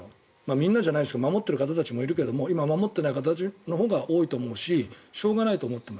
みんなじゃないです守っている人もいるけれど今、守っていない人のほうが多いししょうがないと思っています。